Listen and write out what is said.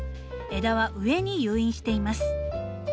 枝は上に誘引しています。